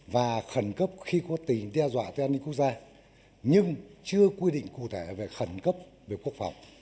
và khẩn cấp khi có tình đe dọa tới an ninh quốc gia nhưng chưa quy định cụ thể về khẩn cấp về quốc phòng